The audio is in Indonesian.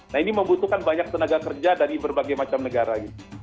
nah ini membutuhkan banyak tenaga kerja dari berbagai macam negara